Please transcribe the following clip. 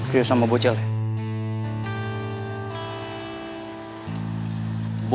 rio sama bocel ya